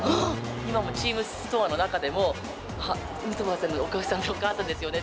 今もチームストアの中でも、ヌートバーさんのお母さんですよね？